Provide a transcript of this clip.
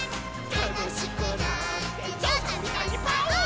「たのしくなってぞうさんみたいにパオーン」